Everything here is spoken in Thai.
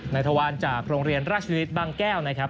นายธวารจากโรงเรียนราชยุนิษฐ์บางแก้ว